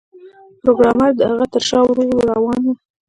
پروګرامر د هغه تر شا ورو ورو روان و